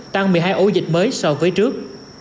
tăng một mươi hai ổ dịch mới so với trước